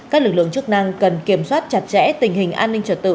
các lực lượng chức năng cần kiểm soát chặt chẽ tình hình an ninh trật tự